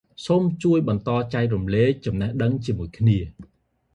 សូមជួយ បន្តចែករំលែក ចំនេះដឹងជាមួយគ្នា។